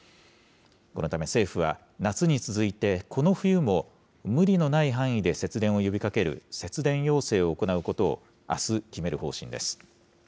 このため政府は、夏に続いてこの冬も無理のない範囲で節電を呼びかける節電要請を行うことをあす決める方針です。